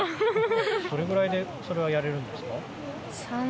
どれぐらいで、それをやれるんですか？